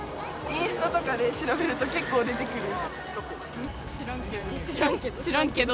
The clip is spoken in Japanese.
インスタとかで調べると結構出てくる。